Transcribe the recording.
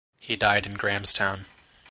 He died in Grahamstown.